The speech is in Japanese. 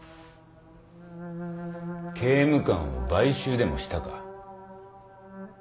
刑務官を買収でもしたか？